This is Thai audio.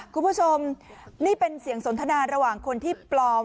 คุณผู้ชมนี่เป็นเสียงสนทนาระหว่างคนที่ปลอม